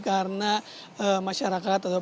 karena masyarakat atau pengunjungnya